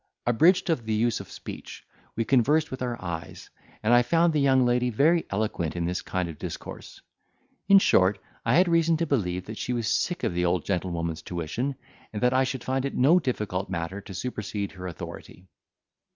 Abridged of the use of speech, we conversed with our eyes, and I found the young lady very eloquent in this kind of discourse. In short, I had reason to believe that she was sick of the old gentlewoman's tuition, and that I should find it no difficult matter to supersede her authority.